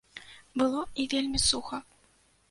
Было і вельмі суха.